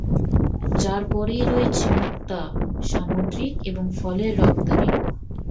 যার পরেই রয়েছে মুক্তা, সামুদ্রিক এবং ফলের রপ্তানি।